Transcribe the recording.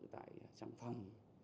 tại trang phòng